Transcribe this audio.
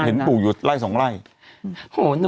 ฮะเห็นปู่หยุดไล่สองไล่นะนี่พ่อกูไม่ออกงานนะ